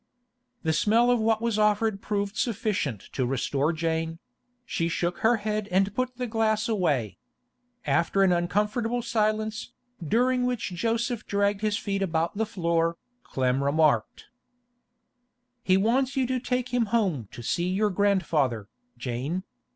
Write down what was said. The smell of what was offered her proved sufficient to restore Jane; she shook her head and put the glass away. After an uncomfortable silence, during which Joseph dragged his feet about the floor, Clem remarked: 'He wants you to take him home to see your grandfather, Jane.